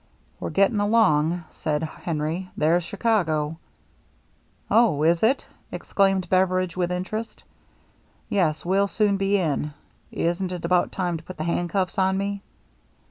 "We're getting along," said Henry. "There's Chicago." 398 THE MERRY ANNE " Oh, is it ?" exclaimed Beveridge with interest. "Yes. We'll soon be in. Isn't it about time to put the handcuffs on me